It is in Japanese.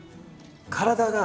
体が。